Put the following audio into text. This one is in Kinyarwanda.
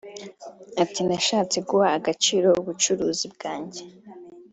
Ati”Nashatse guha agaciro ubucuruzi bwanjye